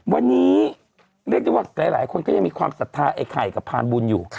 วันนี้เรียกได้ว่าหลายคนก็ยังมีความศรัทธาไอ้ไข่กับพานบุญอยู่